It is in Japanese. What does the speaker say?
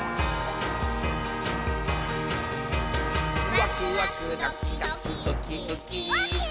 「ワクワクドキドキウキウキ」ウッキー。